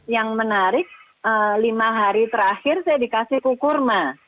yang menarik lima hari terakhir saya dikasih kukurma